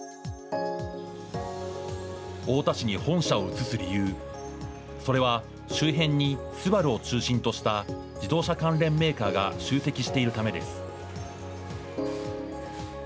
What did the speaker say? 太田市に本社を移す理由、それは周辺にスバルを中心とした自動車関連メーカーが集積しているためです。